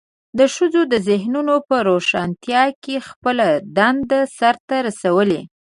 د ښځو د ذهنونو په روښانتیا کې خپله دنده سرته رسولې.